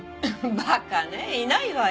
バカねぇいないわよ。